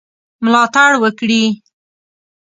ملاتړ وکړي.